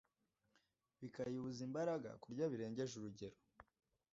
bikayibuza imbaraga Kurya birengeje urugero